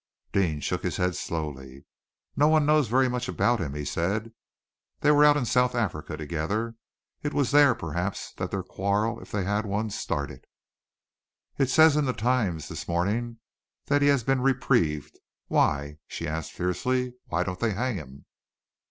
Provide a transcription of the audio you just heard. Deane shook his head slowly. "No one knows very much about him," he said. "They were out in South Africa together. It was there, perhaps, that their quarrel, if they had one, started." "It says in the Times this morning that he has been reprieved. Why?" she asked fiercely. "Why don't they hang him?"